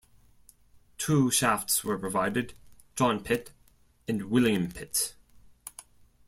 Two shafts were provided: John Pit and William Pit.